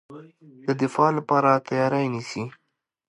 د دفاع لپاره تیاری نیسي.